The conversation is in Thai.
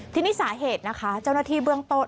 ทีนี้สาเหตุนะคะเจ้าหน้าที่เบื้องต้น